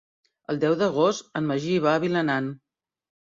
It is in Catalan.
El deu d'agost en Magí va a Vilanant.